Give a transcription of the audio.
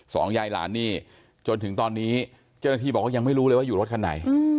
ยายหลานนี่จนถึงตอนนี้เจ้าหน้าที่บอกว่ายังไม่รู้เลยว่าอยู่รถคันไหน